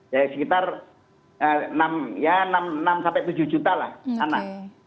ya sekitar enam tujuh juta lah anak